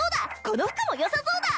この服もよさそうだ